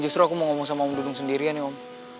justru aku mau ngomong sama om dudung sendirian ya om